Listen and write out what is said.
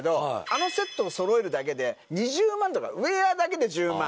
あのセットを揃えるだけで２０万とかウェアだけで１０万